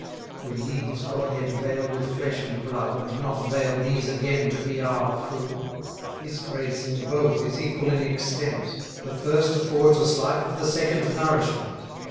Could he his Godhead veil with flesh and blood, And not veil these again to be our food? His grace in both is equal in extent, The first affords us life, the second nourishment.